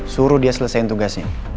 suruh dia selesain tugasnya